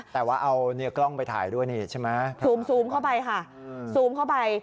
แต่ว่าเอาเนี่ยกล้องไปถ่ายด้วยนี่ใช่ไหมซูมเข้าไปค่ะซูมเข้าไป